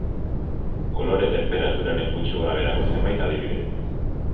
Kolore tenperaturaren gutxi gorabeherako zenbait adibide.